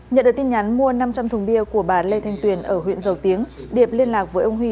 nhận được tin nhắn mua năm trăm linh thùng bia của bà lê thanh tuyền ở huyện dầu tiếng điệp liên lạc với ông huy